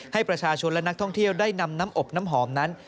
ให้ประชาชนและนักท่องเที่ยวได้นำน้ำอบน้ำหอมนั้น